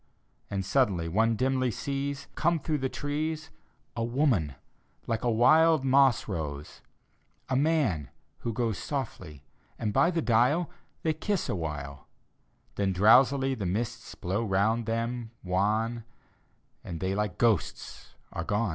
And suddenly one dimly sees, Come through the trees, A woman, like a wild moss rose: A man, who goes Softly: and by the dial They kiss a while: Then drowsily the mists blow round them, wan, And tJiey like ghosts are gone.